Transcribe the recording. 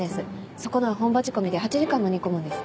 そこのは本場仕込みで８時間も煮込むんです。